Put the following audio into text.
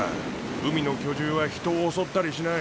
海の巨獣は人を襲ったりしない。